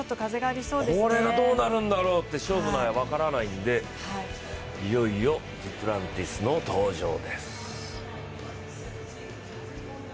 これはどうなるんだろうと、勝負のあやで分からないので、いよいよデュプランティスの登場です。